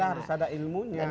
dan ada harus ada ilmunya kan